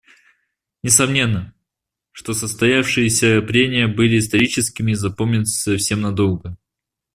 Несомненно, что состоявшиеся прения были историческими и запомнятся всем надолго.